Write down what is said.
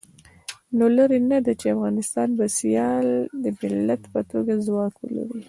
نو لرې نه ده چې افغانستان به د سیال ملت په توګه ځواک ولري.